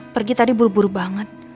pergi tadi buru buru banget